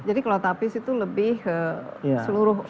jadi kalau tapis itu lebih ke seluruh lampung